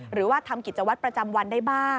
หรือว่าทำกิจวัตรประจำวันได้บ้าง